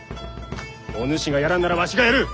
お主がやらんならわしがやる。